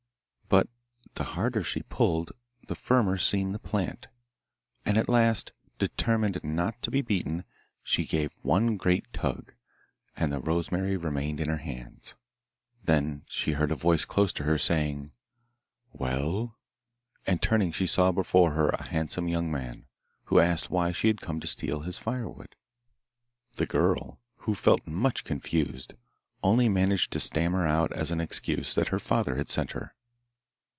But the harder she pulled the firmer seemed the plant, and at last, determined not to be beaten, she gave one great tug, and the rosemary remained in her hands. Then she heard a voice close to her saying, 'Well?' and turning she saw before her a handsome young man, who asked why she had come to steal his firewood. The girl, who felt much confused, only managed to stammer out as an excuse that her father had sent her.